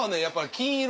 金色？